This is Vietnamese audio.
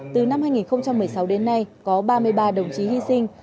từ năm hai nghìn một mươi sáu đến nay có ba mươi ba đồng chí hy sinh